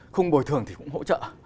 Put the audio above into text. không bồi thường thì cũng hỗ trợ